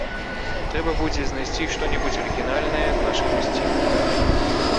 Трэба будзе знайсці што-небудзь арыгінальнае з вашых мясцінаў.